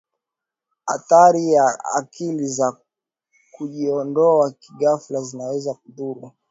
athari kali za kujiondoa kighafla zinaweza kudhuru